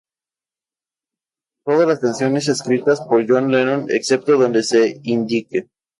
Todas las canciones escritas por John Lennon excepto donde se indique.